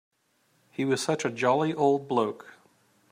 He was such a jolly old bloke.